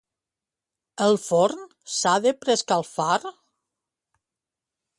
El forn s'ha de preescalfar?